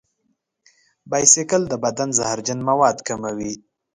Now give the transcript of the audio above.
بایسکل د بدن زهرجن مواد کموي.